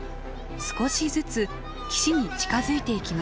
少しずつ岸に近づいていきます。